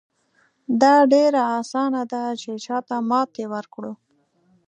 دا ډېره اسانه ده چې چاته ماتې ورکړو.